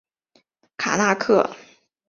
卡那刻。